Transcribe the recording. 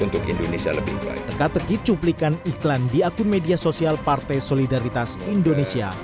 teka teki cuplikan iklan di akun media sosial partai solidaritas indonesia